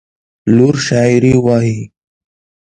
لور شاعري وايي.